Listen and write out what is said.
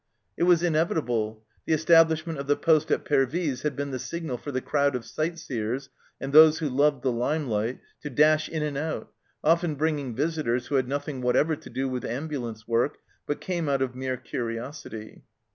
It was inevitable. The establish ment of the poste at Pervyse had been the signal for the crowd of sight seers and those who loved the limelight to dash in and out, often bringing visitors who had nothing whatever to do with ambulance work, but came out of mere curiosity.